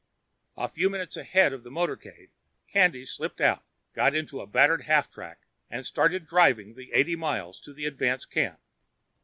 A few minutes ahead of the motorcade, Candy slipped out, got into a battered half track and started driving the eighty miles to the advance camp.